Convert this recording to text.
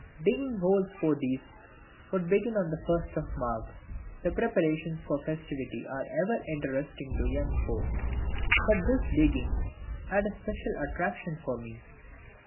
Digging holes for these would begin on the first of Magh. The preparations for festivity are ever interesting to young folk. But this digging had a special attraction for me.